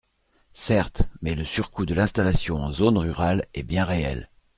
Certes, mais le surcoût de l’installation en zone rurale est bien réel.